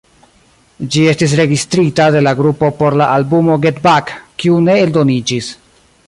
Ĝi estis registrita de la grupo por la albumo "Get Back", kiu ne eldoniĝis.